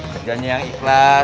kerjanya yang ikhlas